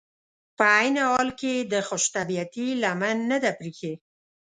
په عین حال کې یې د خوش طبعیتي لمن نه ده پرېښي.